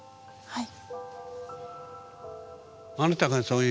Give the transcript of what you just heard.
はい。